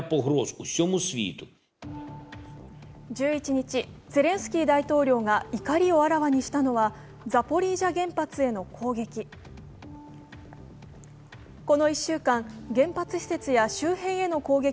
１１日、ゼレンスキー大統領が怒りをあらわにしたのは、ザポリージャ原発への攻撃。